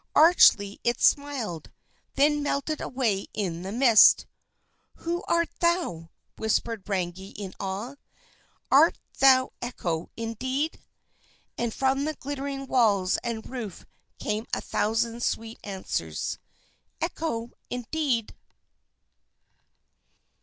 Archly it smiled, then melted away in the mist. "Who art thou?" whispered Rangi in awe. "Art thou Echo indeed?" And from the glittering walls and roof came a thousand sweet answers: "Echo indeed!"